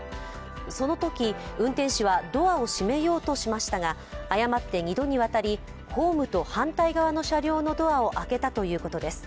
そのとき、運転士はドアを閉めようとしましたが誤って２度にわたりホームと反対側の車両のドアを開けたということです。